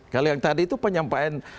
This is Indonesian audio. kalau yang tadi itu penyampaian